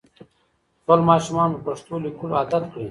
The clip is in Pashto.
خپل ماشومان په پښتو لیکلو عادت کړئ.